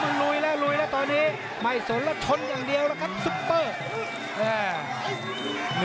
มันลุยแล้วตอนนี้ไม่สนแล้วทนอย่างเดียวซุปเปอร์